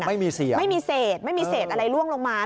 ไม่มีเสดไม่มีเสดอะไรล่วงลงมา